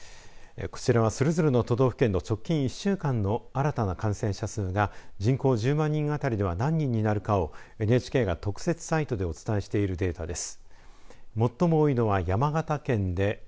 こちらはそれぞれの都道府県の直近１週間の新たな感染者数が人口１０万人当たりでは何人になるかをＮＨＫが特設サイトでお伝えしているデータです。